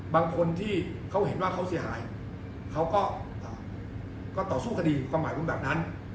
บางคนที่เขาเห็นว่าเขาเสียหายเขาก็ต่อสู้คดีความหมายเป็นแบบนั้น